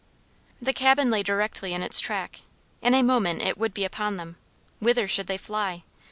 The cabin lay directly in its track. In a moment it would be upon them. Whither should they fly?